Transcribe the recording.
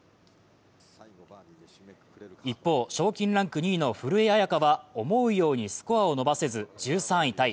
一方、賞金ランク２位の古江彩佳は思うようにスコアを伸ばせず１３位たい。